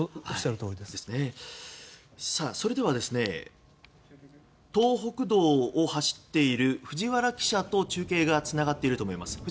それでは東北道を走っている藤原記者と中継がつながっていると思います。